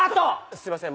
すいません。